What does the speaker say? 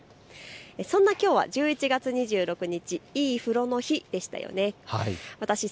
そんなきょうは１１月２６日、いい風呂の日でしたよね。